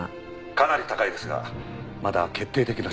かなり高いですがまだ決定的な証拠は。